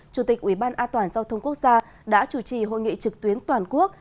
chủ tịch ủy ban an toàn giao thông quốc gia đã chủ trì hội nghị trực tuyến toàn quốc